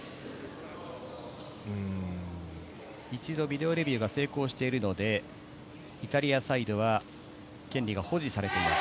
一度ビデオレビューが成功しているので、イタリアサイドは、権利が保持されています。